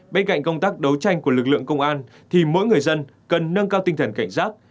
bên cạnh công tác đấu tranh của lực lượng công an thì mỗi người dân cần nâng cao tinh thần cảnh giác